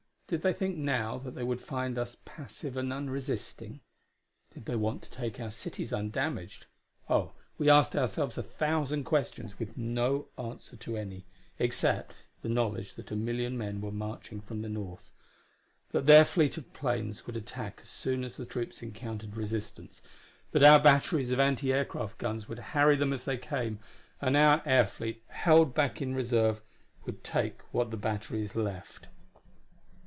Did they think now that they would find us passive and unresisting? Did they want to take our cities undamaged? Oh, we asked ourselves a thousand questions with no answer to any except the knowledge that a million men were marching from the north; that their fleet of planes would attack as soon as the troops encountered resistance; that our batteries of anti aircraft guns would harry them as they came, and our air fleet, held back in reserve, would take what the batteries left....